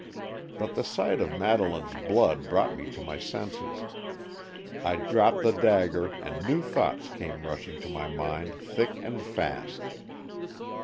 But the sight of Madeleine's blood brought me to my senses. I dropped the dagger and new thoughts came rushing to my mind thick and fast.